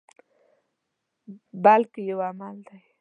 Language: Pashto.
بلکې یو عمل دی.